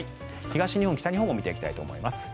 東日本、北日本も見ていきたいと思います。